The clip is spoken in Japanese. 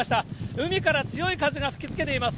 海から強い風が吹きつけています。